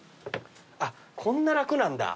あっこんな楽なんだ。